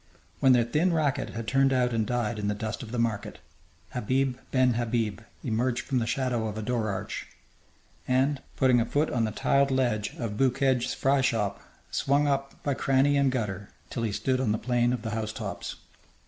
When their thin racket had turned out and died in the dust of the market, Habib ben Habib emerged from the shadow of a door arch and, putting a foot on the tiled ledge of Bou Kedj's fry shop, swung up by cranny and gutter till he stood on the plain of the housetops.